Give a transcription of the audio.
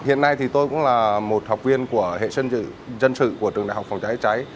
hiện nay thì tôi cũng là một học viên của hệ dân sự dân sự của trường đại học phòng cháy cháy